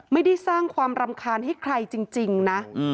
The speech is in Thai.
ไม่ได้สร้างความรำคาญให้ใครจริงนะ